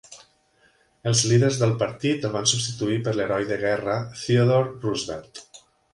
Els líders del partit el van substituir per l'heroi de guerra Theodore Roosevelt.